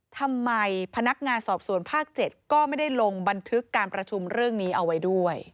ทำไมพนักงานสอบสวนภาค๗ก็ไม่ได้ลงบันทึกการประชุมเรื่องนี้เอาไว้ด้วย